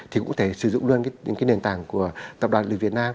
thì cũng có thể sử dụng luôn những nền tảng của tập đoàn lịch việt nam